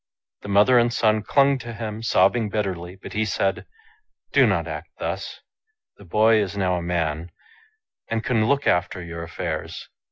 The mother and son clung to him, sobbing bitterly ; but he said, " Do not act thus. The boy is now a man, and can look after your affairs.